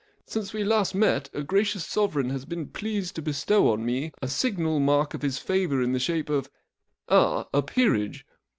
Since we last met a gracious Sovereign has been pleased to bestow on me a signal mark of his favour in the shape of— ah—a peerage.